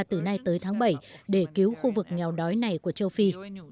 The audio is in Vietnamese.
từ nay tới tháng bảy để cứu khu vực nghèo đói này của châu phi